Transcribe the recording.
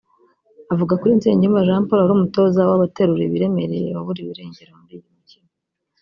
Avuga kuri Nsengiyumva Jean Paul wari Umutoza w’Abaterura Ibiremereye waburiwe irengero muri iyi mikino